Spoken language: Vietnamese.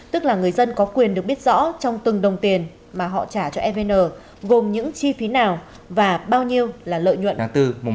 tức là người dân có quyền được biết rõ trong từng đồng tiền mà họ trả cho evn gồm những chi phí nào và bao nhiêu là lợi nhuận hàng từ